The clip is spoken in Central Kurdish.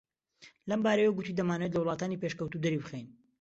لەمبارەیەوە گوتی دەمانەوێت لە وڵاتانی پێشکەوتوو دەری بخەین